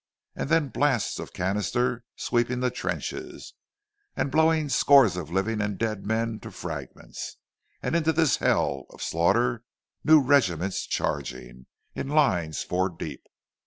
And then blasts of canister sweeping the trenches, and blowing scores of living and dead men to fragments! And into this hell of slaughter new regiments charging, in lines four deep!